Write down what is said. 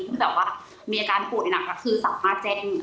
คือแบบว่ามีอาการผลในหนักคือสามารถแจ้ง